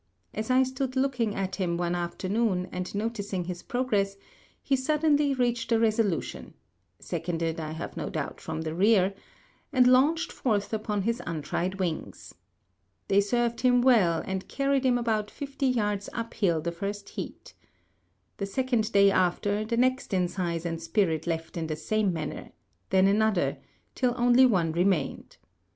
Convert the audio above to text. As I stood looking at him one afternoon and noticing his progress, he suddenly reached a resolution, seconded, I have no doubt, from the rear, and launched forth upon his untried wings. They served him well, and carried him about fifty yards up hill the first heat. The second day after, the next in size and spirit left in the same manner; then another, till only one remained.